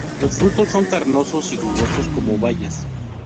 Los frutos son carnosos y jugosos, como bayas.